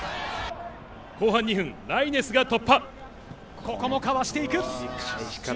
後半２分、ライネスが突破。